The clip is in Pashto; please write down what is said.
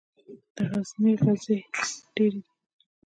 د غزني غزې ډیرې دي